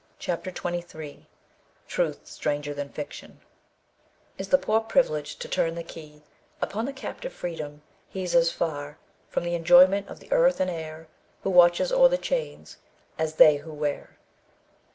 CHAPTER XXIII TRUTH STRANGER THAN FICTION "Is the poor privilege to turn the key Upon the captive, freedom? He's as far From the enjoyment of the earth and air Who watches o'er the chains, as they who wear."